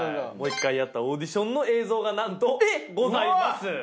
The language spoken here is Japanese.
もう１回やったオーディションの映像がなんとございます。